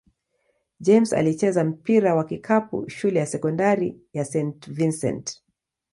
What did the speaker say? James alicheza mpira wa kikapu shule ya sekondari St. Vincent-St.